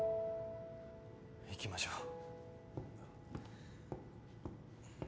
行きましょう。